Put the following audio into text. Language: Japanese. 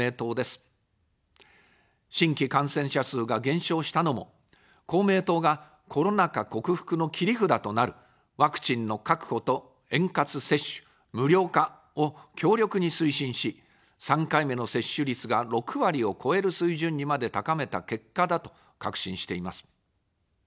新規感染者数が減少したのも、公明党がコロナ禍克服の切り札となるワクチンの確保と円滑接種、無料化を強力に推進し、３回目の接種率が６割を超える水準にまで高めた結果だと確信しています。